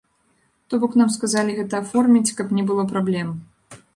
То бок нам сказалі гэта аформіць, каб не было праблем.